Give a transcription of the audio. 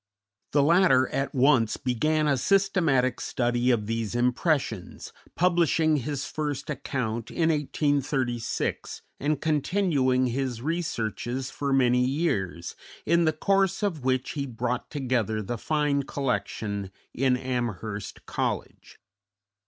The latter at once began a systematic study of these impressions, publishing his first account in 1836 and continuing his researches for many years, in the course of which he brought together the fine collection in Amherst College.